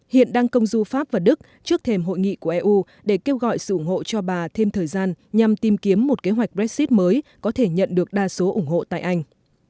hiện đang công du pháp và đức trước thềm hội nghị của eu để kêu gọi sự ủng hộ cho bà thêm thời gian nhằm tìm kiếm một kế hoạch brexit mới có thể nhận được đa số ủng hộ tại anh